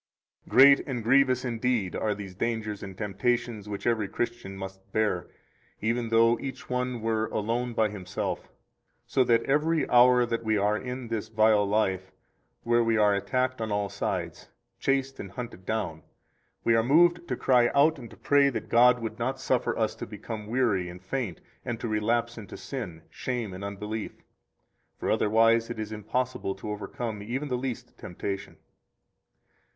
105 Great and grievous, indeed, are these dangers and temptations which every Christian must bear, even though each one were alone by himself, so that every hour that we are in this vile life where we are attacked on all sides, chased and hunted down, we are moved to cry out and to pray that God would not suffer us to become weary and faint and to relapse into sin, shame, and unbelief. For otherwise it is impossible to overcome even the least temptation.